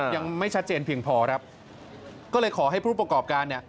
ยังไม่ชัดเจนเพียงพอครับก็เลยขอให้ผู้ประกอบการเนี่ย